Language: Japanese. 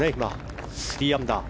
３アンダー。